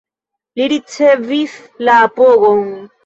Li ricevis la apogon.